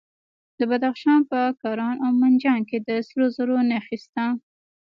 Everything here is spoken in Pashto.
د بدخشان په کران او منجان کې د سرو زرو نښې شته.